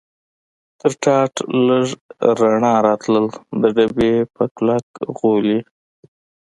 تر ټاټ لږ رڼا راتلل، د ډبې په کلک غولي.